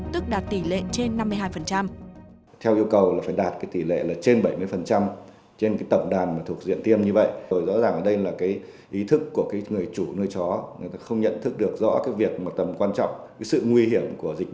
tức đạt tỷ lệ trên năm mươi hai